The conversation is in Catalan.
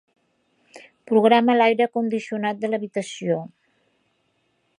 Programa l'aire condicionat de l'habitació.